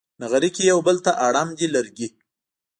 نغري کې یو بل ته اړم دي لرګي